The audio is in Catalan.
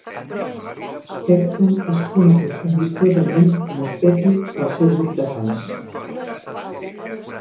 Spectrum és conegut amistosament com "Speccy" pel seu grup de fans.